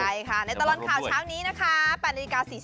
ใช่ค่ะในตลอดข่าวเช้านี้นะคะ